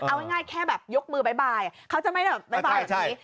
เอาง่ายแค่แบบยกมือบ๊ายเขาจะไม่ได้บ๊ายแบบนี้